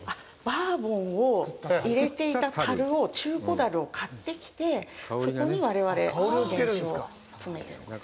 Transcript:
バーボンを入れていたたるを中古だるを買ってきてそこに我々、原酒を詰めているんですね。